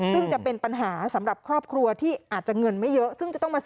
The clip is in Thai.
ซึ่งจะเป็นปัญหาสำหรับครอบครัวที่อาจจะเงินไม่เยอะ